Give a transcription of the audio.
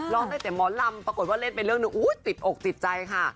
ร้องได้แต่หมอลำปรากฏว่าเล่นไปเรื่องหนึ่งติดอกติดใจค่ะ